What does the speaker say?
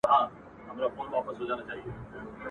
زه د وینو له سېلابه نن تازه یمه راغلی !.